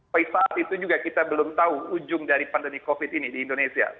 tapi saat itu juga kita belum tahu ujung dari pandemi covid ini di indonesia